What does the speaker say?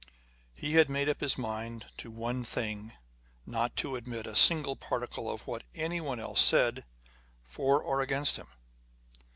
He had made up his mind to one thing â€" not to admit a single particle of what anyone else said for or against him.